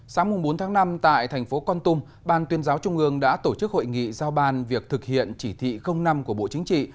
sáng bốn tháng năm tại thành phố con tum ban tuyên giáo trung ương đã tổ chức hội nghị giao ban việc thực hiện chỉ thị năm của bộ chính trị